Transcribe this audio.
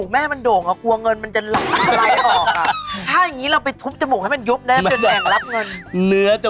แล้วก็อยากให้เกิดแผลแล้วก็จมูกเนื้อ